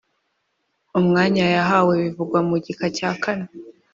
umwanya yahawe bivugwa mu gika cya kane